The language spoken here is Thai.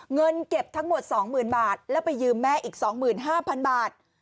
เงินเก็บทั้งหมด๒๐๐๐บาทแล้วไปยืมแม่อีก๒๕๐๐๐บาท